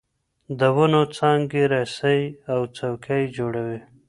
د ونو څانګې رسۍ او څوکۍ جوړوي.